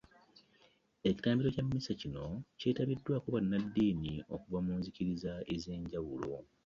Ekitambiro kya mmisa kino kyetabiddwako bannaddiini okuva mu nzikiriza ez'enjawulo